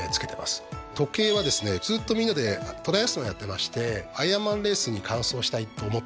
時計はですねずっとみんなでトライアスロンやってましてアイアンマンレースに完走したいと思ってですね